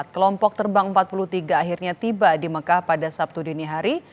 kelompok terbang empat puluh tiga akhirnya tiba di mekah pada sabtu dini hari